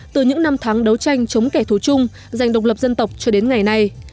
từ những năm tháng đấu tranh chống kẻ thù chung dành độc lập dân tộc cho đến ngày nay